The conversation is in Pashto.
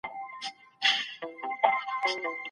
که انګیزه وي ناکامي نه شته.